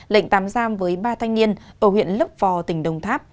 lệnh tạm giam với ba thanh niên ở huyện lấp vò tỉnh đồng tháp